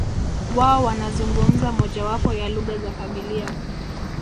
Wao wanazungumza mojawapo ya lugha za familia